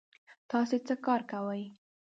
تاسې څه کار کوی؟